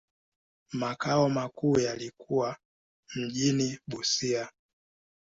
Makao makuu yalikuwa mjini Busia.